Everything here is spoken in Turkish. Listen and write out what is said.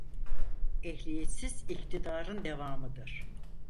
Ehliyetsiz iktidarın devamıdır.